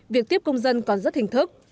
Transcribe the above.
việc tiếp công dân còn rất hình thức